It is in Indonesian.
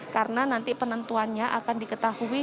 karena nanti penentuannya akan diketahui